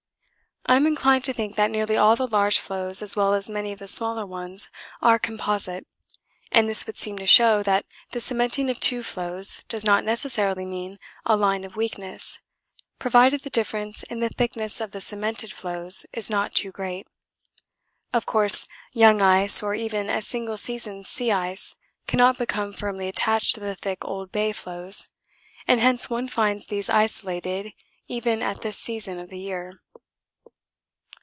I am inclined to think that nearly all the large floes as well as many of the smaller ones are 'composite,' and this would seem to show that the cementing of two floes does not necessarily mean a line of weakness, provided the difference in the thickness of the cemented floes is not too great; of course, young ice or even a single season's sea ice cannot become firmly attached to the thick old bay floes, and hence one finds these isolated even at this season of the year.